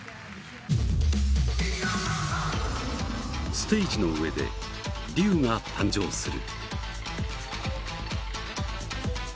ステージの上で龍が誕生する。